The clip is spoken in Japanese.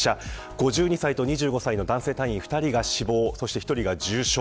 ５２歳と２５歳の男性隊員２人が死亡、１人が重傷。